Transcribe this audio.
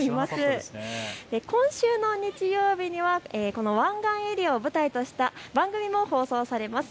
今週の日曜日にはこの湾岸エリアを舞台とした番組も放送されます。